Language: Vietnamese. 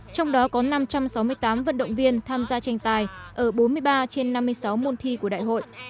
trong đó có năm trăm sáu mươi tám vận động viên tham gia tranh tài ở bốn mươi ba trên năm mươi sáu môn thi của đại hội